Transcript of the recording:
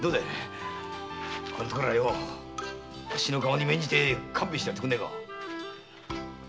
ここんところはおれの顔に免じて勘弁してやってくれねえか。